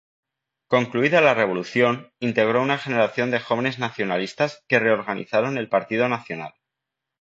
Concluida la revolución, integró una generación de jóvenes nacionalistas que reorganizaron el Partido Nacional.